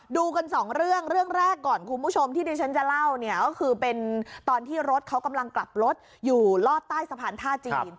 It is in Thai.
ดูกันสองเรื่องเรื่องแรกจากก่อนที่เดี๋ยวจะเล่านี่ก็คือภาคที่เขากำลังกลับรถอยู่รอดใต้สะพานท่าจีน